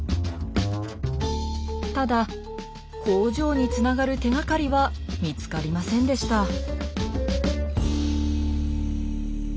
ただ工場につながる手がかりは見つかりませんでした。